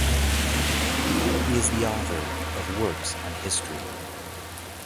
He is the author of works on history.